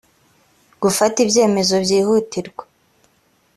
gufata ibyemezo byihutirwa